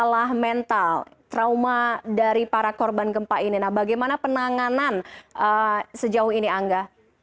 masalah mental trauma dari para korban gempa ini nah bagaimana penanganan sejauh ini angga